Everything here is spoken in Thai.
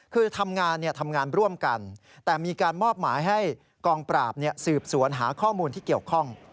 คือทำงานทำงานร่วมกันแต่มีการมอบหมายให้กองปราบสืบสวนหาข้อมูลที่เกี่ยวข้อง